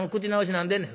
何でんねん。